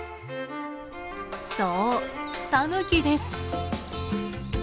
そうタヌキです。